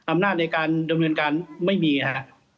อำนาจในการดำเนินการไม่มีฮะ